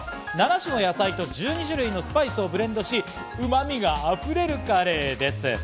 ７種の野菜と１２種類のスパイスをブレンドし、うまみがあふれるカレーです。